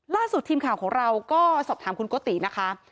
ล่าสุดทีมข่าวของเราก็สอบถามคุณโกตินะคะ